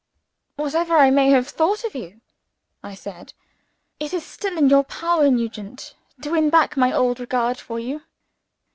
"Whatever I may have thought of you," I said, "it is still in your power, Nugent, to win back my old regard for you."